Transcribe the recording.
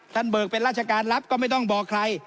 เบิกเป็นราชการรับก็ไม่ต้องบอกใคร